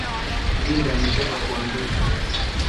Linda amechoka kuandika.